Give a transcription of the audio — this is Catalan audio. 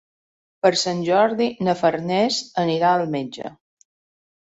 Per Sant Jordi na Farners anirà al metge.